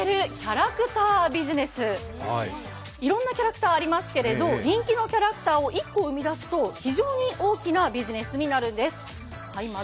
いろんなキャラクターありますけれども、人気のキャラクターを１個生み出すと非常に大きなビジネスになるんです。